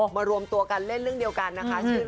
รวมตัวกันเล่นเรื่องเดียวกันนะคะ